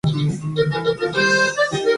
A esta edad ya se pueden valer por sí mismos.